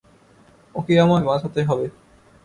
ওকে আমায় বাঁচাতে হবে।